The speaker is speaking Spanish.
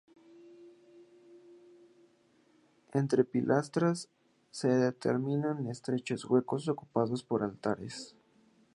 Entre pilastras se determinan estrechos huecos ocupados por altares.